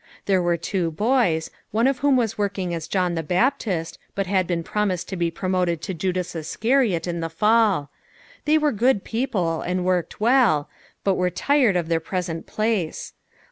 There were two boys, one of whom was working as John the Baptist, but had been promised to be promoted to Judas Iscariot in the fall; they were good people, and worked well, but were tired of their present place.